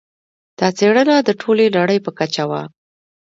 دا څېړنه د ټولې نړۍ په کچه وه.